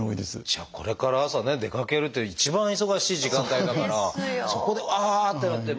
じゃあこれから朝ね出かけるっていう一番忙しい時間帯だからそこでうわってなって。